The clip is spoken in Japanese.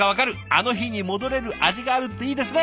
「あの日に戻れる味がある」っていいですね！